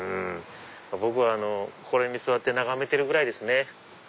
僕はこれに座って眺めてるぐらいですね。